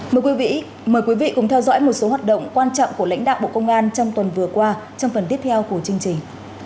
mời quý vị cùng theo dõi một số hoạt động quan trọng của lãnh đạo bộ công an trong tuần vừa qua trong phần tiếp theo của chương trình